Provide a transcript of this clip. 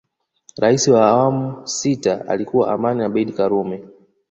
Rais wa awamu sita alikuwa Aman Abeid karume